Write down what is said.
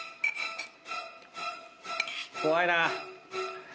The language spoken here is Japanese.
怖いな。